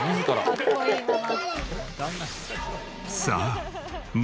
「かっこいいママ」